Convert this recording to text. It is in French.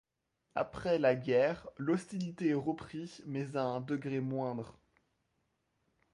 Après la guerre l'hostilité reprit mais à un degré moindre.